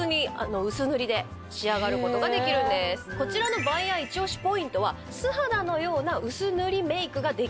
こちらのバイヤー一押しポイントは素肌のような薄塗りメークができる。